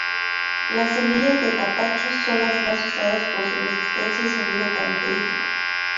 Las semillas de capacho son las más usadas por su resistencia y sonido característico.